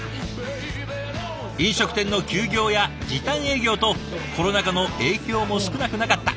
飲食店の休業や時短営業とコロナ禍の影響も少なくなかった。